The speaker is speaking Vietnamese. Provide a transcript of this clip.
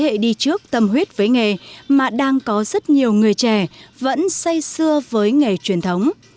nhưng cũng có những nghề trước tâm huyết với nghề mà đang có rất nhiều người trẻ vẫn say xưa với nghề truyền thống